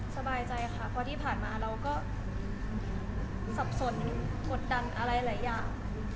สบายใจค่ะเพราะที่ผ่านมาเราก็สับสนกดดันอะไรหลายอย่าง